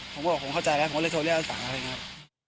ผมบอกว่าผมเข้าใจแล้วผมก็เลยโทรเรียสามารถเลยครับ